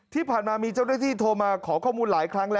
ที่ผ่านมามีเจ้าหน้าที่โทรมาขอข้อมูลหลายครั้งแล้ว